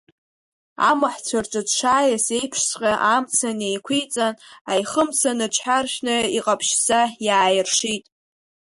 Амаҳәцәа рҿы дшааиз еиԥшҵәҟьа амца неиқәиҵан, аихымца ныҽҳәаршәны иҟаԥшьӡа иааиршит.